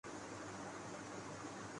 کوسٹا ریکا